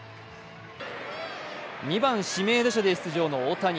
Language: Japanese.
２番・指名打者で出場の大谷。